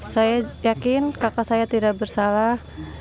saya yakin kakak saya tidak bersalah